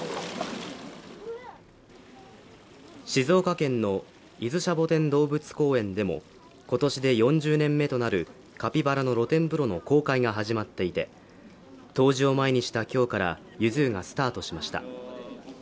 静岡県の伊豆シャボテン動物公園でも、今年で４０年目となるカピバラの露天風呂の公開が始まっていて冬至を前にした今日からゆず湯がスタ−トしました。